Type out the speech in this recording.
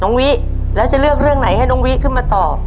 วิแล้วจะเลือกเรื่องไหนให้น้องวิขึ้นมาตอบ